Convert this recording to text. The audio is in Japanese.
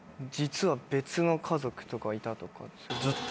実は別の家族とかいたとか。